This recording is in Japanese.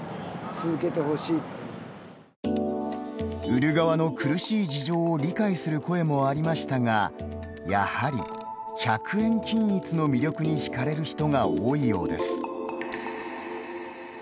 売る側の苦しい事情を理解する声もありましたがやはり１００円均一の魅力にひかれる人が多いようです。